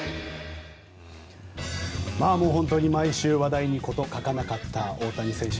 本当に毎週話題に事欠かなかった大谷選手